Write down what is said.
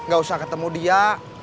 gak usah ketemu dia